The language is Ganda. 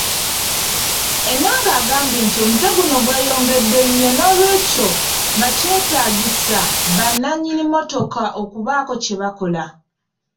Enanga agambye nti omuze guno gweyongedde nnyo noolwekyo nga kyetaagisa bannanyini mmotoka okubaako kye bakola.